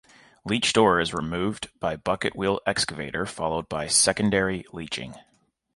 Leached ore is removed by bucket wheel excavator followed by secondary leaching.